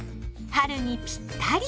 春にぴったり。